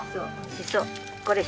しそ。